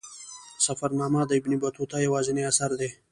سفرنامه د ابن بطوطه یوازینی اثر دی.